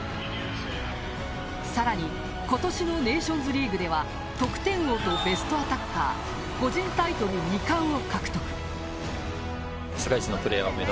更に今年のネーションズリーグでは得点王とベストアタッカー個人タイトル２冠を獲得。